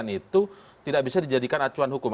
itu tidak bisa dijadikan acuan hukum